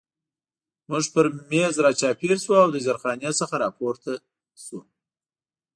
موږ پر مېز را چاپېر شو او د زیرخانې څخه را پورته شوي.